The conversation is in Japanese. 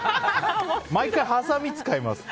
毎回はさみを使います。